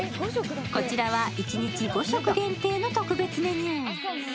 こちらは一日５食限定の特別メニュー。